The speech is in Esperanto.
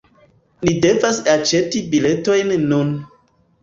Ni devas aĉeti biletojn nun